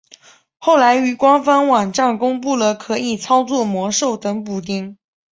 后来于官方网站公布了可以操作魔兽等补丁。